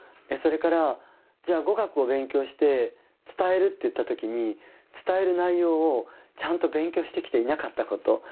それからじゃあ語学を勉強して伝えるっていった時に伝える内容をちゃんと勉強してきていなかったこと。